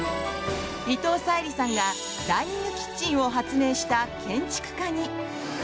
伊藤沙莉さんがダイニングキッチンを発明した建築家に！